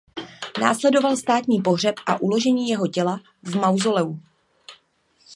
Následoval státní pohřeb a uložení jeho těla v mauzoleu.